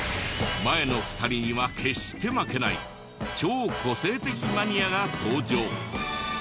前の２人には決して負けない超個性的マニアが登場。